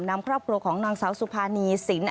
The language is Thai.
นำครอบครัวของนางสาวสุภานีสิน